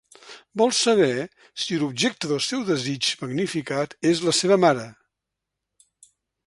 Vol saber si l'objecte del seu desig magnificat és la seva mare.